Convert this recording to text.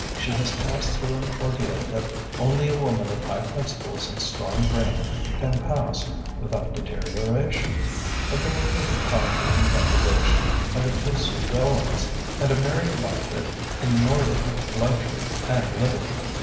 She has passed through an ordeal that only a woman of high principles and strong brain can pass without deterioration. A girlhood of poverty and deprivation, under close surveillance, and a married life of inordinate luxury and liberty.